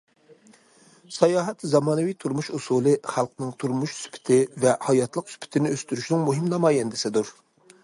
ساياھەت زامانىۋى تۇرمۇش ئۇسۇلى، خەلقنىڭ تۇرمۇش سۈپىتى ۋە ھاياتلىق سۈپىتىنى ئۆستۈرۈشنىڭ مۇھىم نامايەندىسىدۇر.